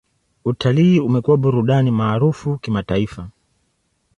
Utalii umekuwa burudani maarufu kimataifa.